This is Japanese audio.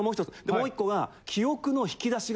もう１個が。